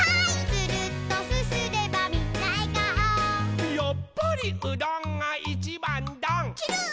「つるっとすすればみんなえがお」「やっぱりうどんがいちばんどん」ちゅるっ。